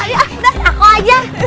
ayah udah aku aja